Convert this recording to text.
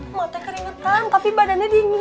maksudnya keringetan tapi badannya dingin